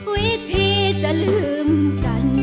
วิธีจะลืมกัน